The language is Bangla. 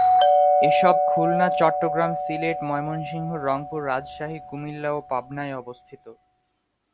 এসব খুলনা, চট্টগ্রাম, সিলেট, ময়মনসিংহ, রংপুর, রাজশাহী, কুমিল্লা ও পাবনায় অবস্থিত।